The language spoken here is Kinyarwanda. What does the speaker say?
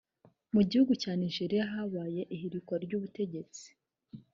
Mu gihugu cya Nigeriya habaye ihirikwa ry’ubutegetsi